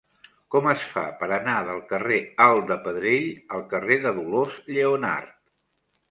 Com es fa per anar del carrer Alt de Pedrell al carrer de Dolors Lleonart?